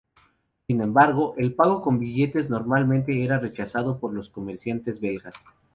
Sin embargo, el pago con billetes normalmente era rechazado por los comerciantes belgas.